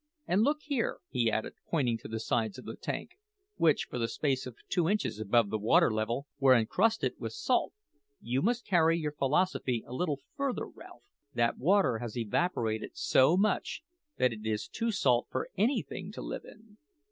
And look here," he added, pointing to the sides of the tank, which, for the space of two inches above the water level, were encrusted with salt, "you must carry your philosophy a little further, Ralph. That water has evaporated so much that it is too salt for anything to live in.